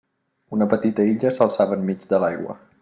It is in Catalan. Una petita illa s'alçava enmig de l'aigua.